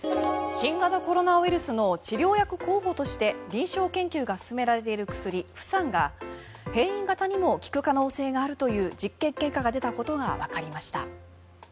新型コロナウイルスの治療薬候補として臨床研究が進められている薬フサンが変異型にも効く可能性があるという実験結果が出たことがわかりました。